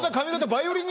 バイオリン。